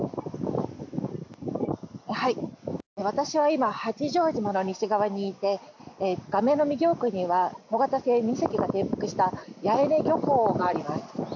私は今、八丈島の西側にいて画面の右奥には小型船２隻が転覆した八重根漁港があります。